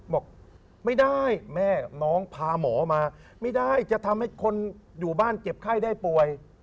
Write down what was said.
บอกไม่ได้แม่น้องพาหมอมาไม่ได้จะทำให้คนอยู่บ้านเจ็บไข้ได้ป่วย